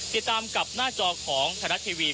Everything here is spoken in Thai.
ติดตามกับหน้าจอของไทยรัฐทีวี